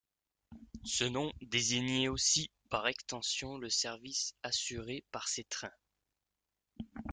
Ce nom désignait aussi, par extension, le service assuré par ces trains.